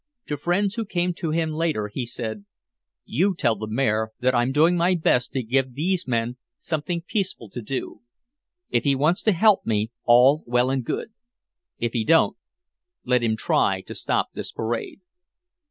To friends who came to him later he said: "You tell the mayor that I'm doing my best to give these men something peaceful to do. If he wants to help me, all well and good. If he don't, let him try to stop this parade."